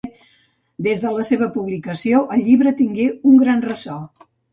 Des de la seva publicació, el llibre tingué un gran ressò.